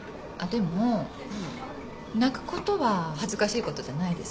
でも泣くことは恥ずかしいことじゃないですよ。